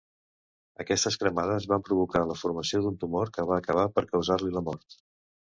Aquestes cremades van provocar la formació d'un tumor que va acabar per causar-li la mort.